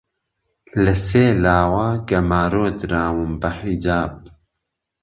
لە سێ لاوە گەمارۆ دراوم بە حیجاب!